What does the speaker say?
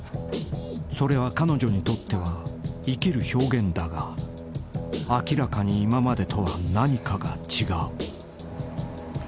［それは彼女にとっては生きる表現だが明らかに今までとは何かが違う］